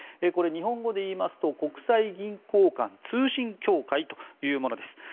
これは日本語で言いますと国際銀行間通信協会というものです。